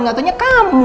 gak tanya kamu